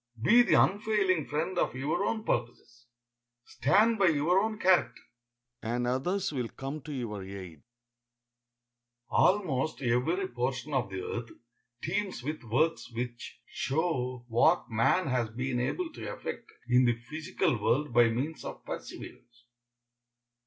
Be the unfailing friend of your own purposes, stand by your own character, and others will come to your aid. Almost every portion of the earth teems with works which show what man has been able to effect in the physical world by means of perseverance.